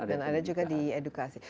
dan ada juga di edukasi